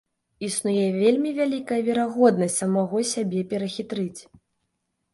Існуе вельмі вялікая верагоднасць самога сябе перахітрыць.